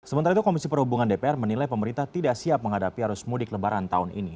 sementara itu komisi perhubungan dpr menilai pemerintah tidak siap menghadapi arus mudik lebaran tahun ini